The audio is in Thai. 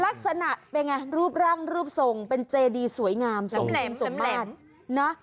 ลักษณะเป็นยังไงรูปร่างรูปทรงเป็นเจดีสวยงามสมบัติสนุนสมบ้าน